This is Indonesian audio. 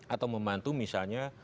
atau memantu misalnya